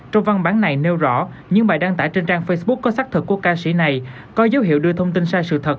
trong văn bản này nêu rõ những bài đăng tải trên trang facebook có xác thực của ca sĩ này có dấu hiệu đưa thông tin sai sự thật